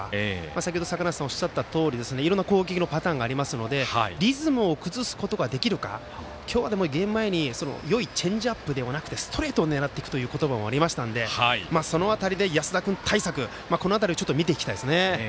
先ほど坂梨さんおっしゃったとおりいろんな攻撃のパターンがありますのでリズムを崩すことができるか今日は、ゲーム前によいチェンジアップではなくストレートを狙っていくという言葉もありましたので安田君対策、この辺りをちょっと見ていきたいですね。